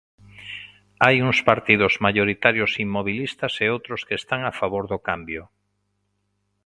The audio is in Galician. Hai uns partidos maioritarios inmobilistas e outros que están a favor do cambio.